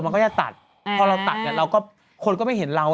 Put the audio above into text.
พอเราตัดคนก็ไม่เห็นเรา